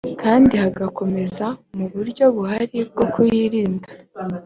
kandi hagakomeza mu buryop buhari bwo kuyirinda